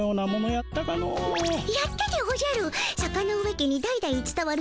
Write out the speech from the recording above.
やったでおじゃる。